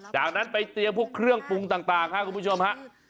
จากนั้นไปเตรียมพวกเครื่องตรงค่ะคุณผู้ชมฮะ